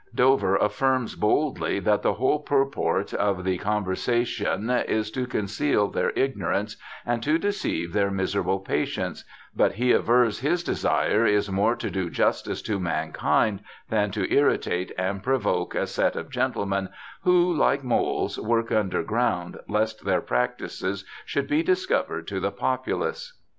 Dover affirms boldly that the whole purport of the 'Conver sation ' is to conceal their ignorance and to deceive their miserable patients, but he avers his desire is ' more to do justice to Mankind than to irritate and THOMAS DOVER 35 provoke a Set of Gentlemen who, like moles, work under ground, lest their Practices should be discovered to the Populace.'